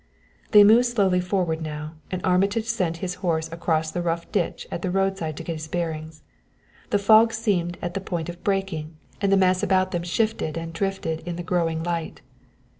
They moved slowly forward now and Armitage sent his horse across the rough ditch at the roadside to get his bearings. The fog seemed at the point of breaking, and the mass about them shifted and drifted in the growing light.